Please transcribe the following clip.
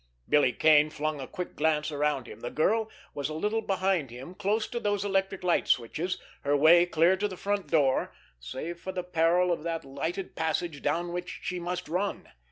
Billy Kane flung a quick glance around him. The girl was a little behind him, close to those electric light switches, her way clear to the front door, save for the peril of that lighted passage down which she must run.